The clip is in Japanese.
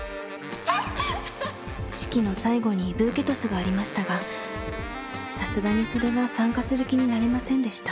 式の最後にブーケトスがありましたがさすがにそれは参加する気になれませんでした。